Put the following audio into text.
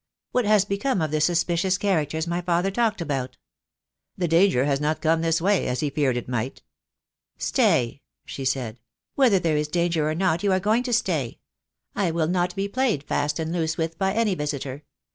What has become of the suspicious characters my father talked about?" "The danger has not come this way — as he feared it might." "Stay," she said. "Whether there is danger or not you are going to stay. I will not be played fast and loose with by any visitor.